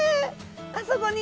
あそこに！